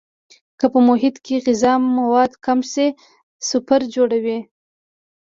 که په محیط کې غذایي مواد کم شي سپور جوړوي.